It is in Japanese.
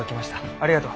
ありがとう。